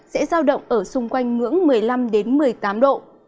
sẽ sao động ở xung quanh ngưỡng một mươi năm đến một mươi tám độ